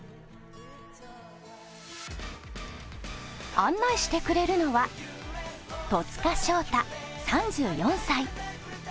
案内してくれるのは、戸塚祥太３４歳。